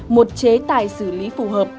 một chế tài xử lý phù hợp